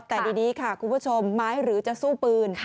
แต่ดีค่ะคุณผู้ชมไม้หรือจะสู้ปืน